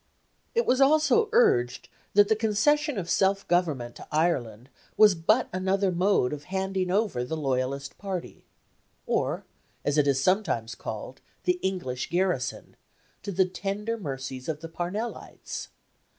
It was also urged that the concession of self government to Ireland was but another mode of handing over the Loyalist party or, as it is sometimes called, the English garrison to the tender mercies of the Parnellites.